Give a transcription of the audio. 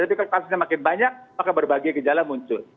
tapi kalau kasusnya makin banyak maka berbagai gejala muncul